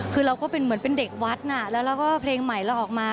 คือเราก็เป็นเหมือนเป็นเด็กวัดน่ะแล้วเราก็เพลงใหม่เราออกมา